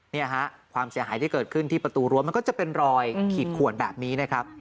เนี่ยฮะความเสียหายที่เกิดขึ้นที่ประตูรั้วมันก็จะเป็นรอยขีดขวนแบบนี้นะครับ